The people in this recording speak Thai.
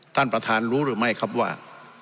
ท่านประธานรู้หรือไม่ครับว่า